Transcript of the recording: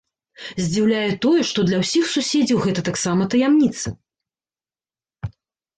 Здзіўляе тое, што для ўсіх суседзяў гэта таксама таямніца.